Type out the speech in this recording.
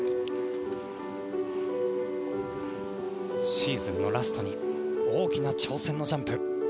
シーズンのラストに大きな挑戦のジャンプ。